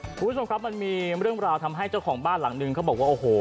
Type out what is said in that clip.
คุณผู้ชมครับมันมีเรื่องราวทำให้เจ้าของบ้านหลังนึงเขาบอกว่าโอ้โห